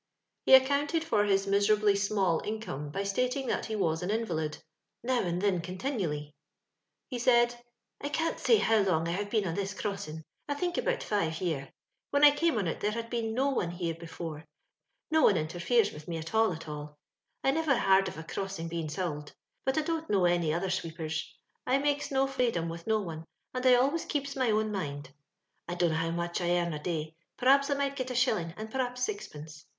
He accoimted for his miserably small in come by stating that he was an invalid — "now and thin continually." He said —" I can't say how long I have been on this crossin'; I think about five year. When I came on it there had been no one here before. No one interferes with me at all, at aU. I niver hard of a crossin' bein' sould ; but I don't know any other sweepers. I makes no fraydom with no one, and I always keeps my own mind. " I dunno how much I earn a day — p'rhaps I may git a shilling, and p'rhaps sixpence.